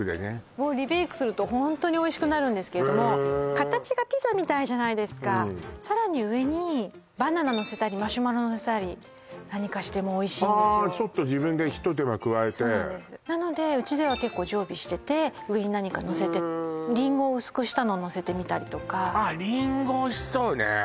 もうリベイクするとホントにおいしくなるんですけれども形がピザみたいじゃないですかさらに上にバナナのせたりマシュマロのせたり何かしてもおいしいんですよはあちょっと自分で一手間加えてそうなんですなのでうちでは結構常備してて上に何かのせてりんごを薄くしたのをのせてみたりとかあっりんごおいしそうね